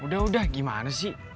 udah udah gimana sih